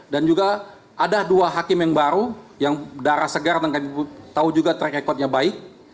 dan juga ada dua wakil yang baru yang darah segar dan kami tahu juga track recordnya baik